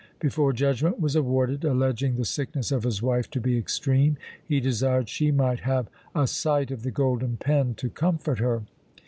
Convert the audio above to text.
Before judgment was awarded, alleging the sickness of his wife to be extreme, he desired she might have a sight of the golden pen to comfort her!